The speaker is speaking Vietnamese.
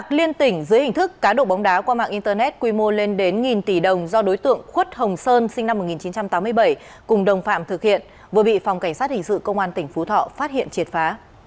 liên tỉnh dưới hình thức cá độ bóng đá qua mạng internet quy mô lên đến tỷ đồng do đối tượng khuất hồng sơn sinh năm một nghìn chín trăm tám mươi bảy cùng đồng phạm thực hiện vừa bị phòng cảnh sát hình sự công an tỉnh phú thọ phát hiện triệt phá